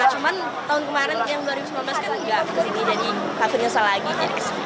cuman tahun kemarin yang dua ribu sembilan belas kan nggak kesini jadi karirnya salah lagi